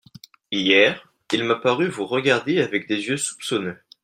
Hier, il m'a paru vous regarder avec des yeux soupçonneux.